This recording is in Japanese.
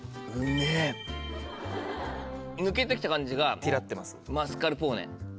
抜けてきた感じがマスカルポーネ。